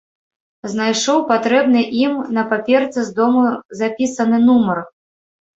Знайшоў патрэбны ім, на паперцы з дому запісаны, нумар.